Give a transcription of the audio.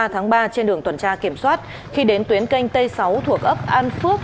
hai mươi ba tháng ba trên đường tuần tra kiểm soát khi đến tuyến kênh tây sáu thuộc ấp an phước